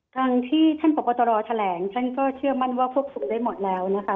ทางที่ท่านพบตรแถลงท่านก็เชื่อมั่นว่าควบคุมได้หมดแล้วนะคะ